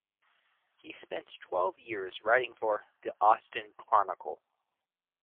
He spent twelve years writing for "The Austin Chronicle".